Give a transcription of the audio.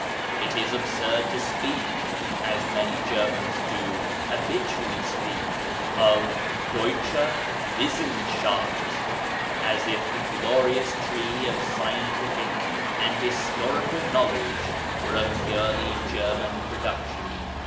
It is absurd to speak as many Germans do habitually speak of 'deutsche Wissenschaft,' as if the glorious tree of scientific and historical knowledge were a purely German production.